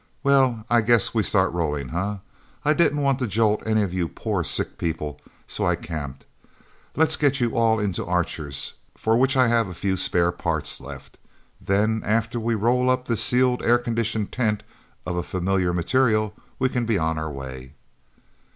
Well, I guess we start rolling, eh? I didn't want to jolt any of you poor sick people, so I camped. Let's get you all into Archers, for which I have a few spare parts left. Then, after we roll up this sealed, air conditioned tent of a familiar material, we can be on our way."